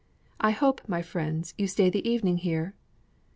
I hope, my friends, you stay the evening here?"